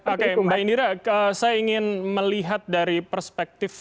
oke mbak indira saya ingin melihat dari perspektif